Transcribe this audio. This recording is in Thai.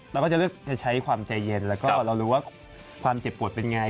เราก็จะเลือกจะใช้ความใจเย็นแล้วก็เรารู้ว่าความเจ็บปวดเป็นไง